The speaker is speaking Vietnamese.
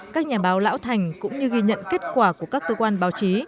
các nhà báo lão thành cũng như ghi nhận kết quả của các cơ quan báo chí